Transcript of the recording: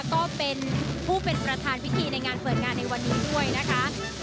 ก็เป็นผู้เป็นประธานวิธีในงานเปิดงานในวันนี้ด้วยนะคะ